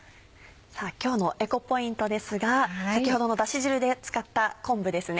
さぁ今日のエコポイントですが先ほどのだし汁で使った昆布ですね。